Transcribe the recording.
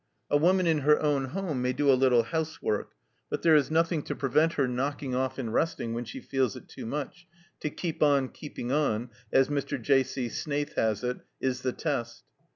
A woman in her own home may do a little housework, but there is nothing to prevent her knocking off and resting when she feels it too much ; to " keep on keeping on," as Mr. J. C. Snaith has it, is the test.